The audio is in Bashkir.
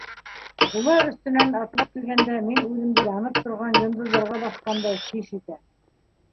Улар өҫтөнән атлап килгәндә, мин үҙемде янып торған йондоҙҙарға баҫҡандай хис итәм.